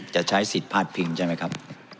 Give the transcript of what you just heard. จะใช้ศิษฐ์ภาษาพิงศ์ใช่ไหมครับ